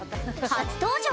初登場！